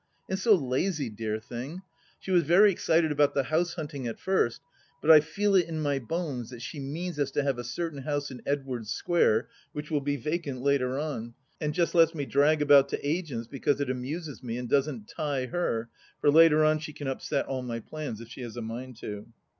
And so lazy, dear thing ! She was very excited about the house hunting at first, but I feel it in my bones that she means us to have a certain house in Edwardes Square which will be vacant later on, and just lets me drag about to agents because it amuses me and doesn't tie her, for later on she can upset all my plans if she has a mind to.